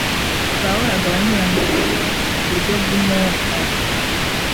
bahoraga banyuranya na yo buryo bw’umwuka.